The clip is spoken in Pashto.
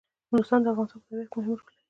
نورستان د افغانستان په طبیعت کې مهم رول لري.